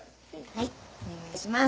はいお願いします。